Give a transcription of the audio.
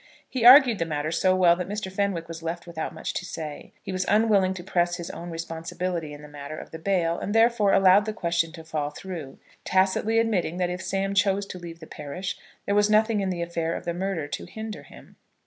He argued the matter so well, that Mr. Fenwick was left without much to say. He was unwilling to press his own responsibility in the matter of the bail, and therefore allowed the question to fall through, tacitly admitting that if Sam chose to leave the parish, there was nothing in the affair of the murder to hinder him.